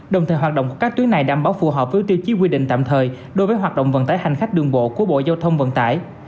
đồng thời hoạt động của các tuyến này đảm bảo phù hợp với tiêu chí quy định tạm thời đối với hoạt động vận tải hành khách đường bộ của bộ giao thông vận tải